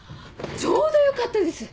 ちょうどよかったです。